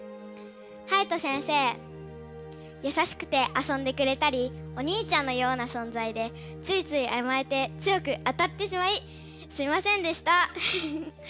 はやと先生やさしくてあそんでくれたりお兄ちゃんのようなそんざいでついついあまえて強くあたってしまいすいませんでした。